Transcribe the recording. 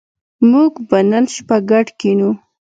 موږ به نن شپه ګډ کېنو